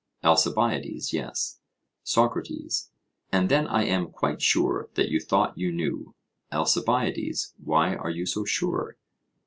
ALCIBIADES: Yes. SOCRATES: And then I am quite sure that you thought you knew. ALCIBIADES: Why are you so sure?